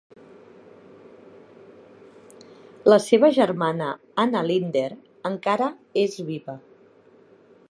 La seva germana, Anna Linder, encara és viva.